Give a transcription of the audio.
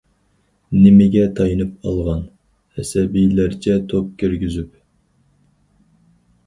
نېمىگە تايىنىپ ئالغان؟ ئەسەبىيلەرچە توپ كىرگۈزۈپ.